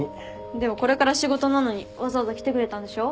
でもこれから仕事なのにわざわざ来てくれたんでしょ？